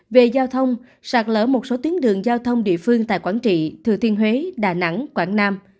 về giao thông sạt lỡ một số tuyến đường giao thông địa phương tại quảng trị thừa thiên huế đà nẵng quảng nam